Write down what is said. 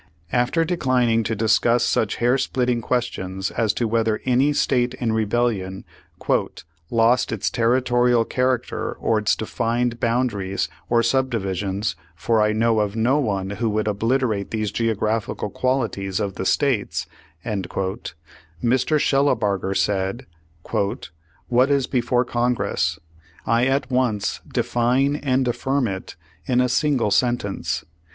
After declining to discuss such hair splitting questions as to whether any state in rebellion "lost its territorial character or its defined boundaries or subdivisions, for I know of no one who would obliterate these geographical qualities of the states," Mr. Shellabarger said: "What is before Con;;ress? I at once define and affirm it in a sin^jle sentence.